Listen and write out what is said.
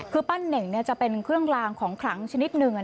คือปั้นเน่งจะเป็นเครื่องลางของขลังชนิดหนึ่ง